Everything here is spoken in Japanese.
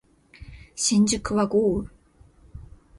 新宿は豪雨